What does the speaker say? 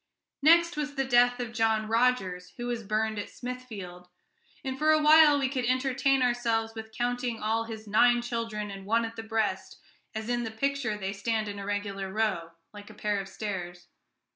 Next was the death of John Rogers, who was burned at Smithfield; and for a while we could entertain ourselves with counting all his "nine children and one at the breast," as in the picture they stand in a regular row, like a pair of stairs.